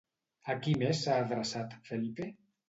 A qui més s'ha adreçat Felipe?